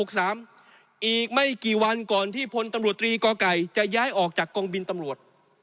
อีกไม่กี่วันก่อนที่พลตำรวจตรีก่อไก่จะย้ายออกจากกองบินตำรวจ